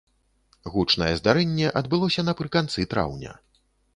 Гучнае здарэнне адбылося напрыканцы траўня.